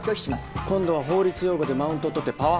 今度は法律用語でマウント取ってパワハラですか？